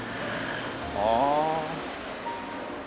ああ。